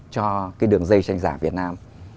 cho cái đường dây tranh giả việt nam